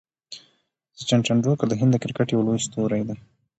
سچن ټندولکر د هند د کرکټ یو لوی ستوری دئ.